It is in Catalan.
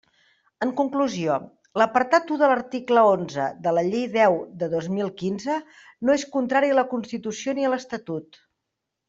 En conclusió, l'apartat u de l'article onze de la Llei deu de dos mil quinze no és contrari a la Constitució ni a l'Estatut.